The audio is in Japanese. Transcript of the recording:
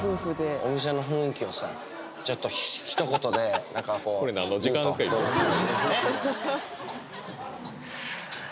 お店の雰囲気をさちょっとひと言で何かこう言うとどんな感じ？